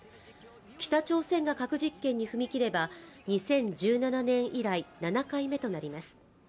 北朝鮮が核実験に踏み切れば２０１７年以来７回目となります